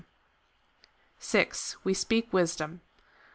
6. We speak wisdom.